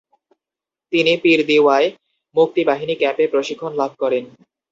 তিনি পীরদিওয়ায় মুক্তি বাহিনী ক্যাম্পে প্রশিক্ষণ লাভ করেন।